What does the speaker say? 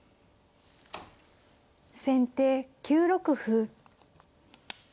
先手９六歩。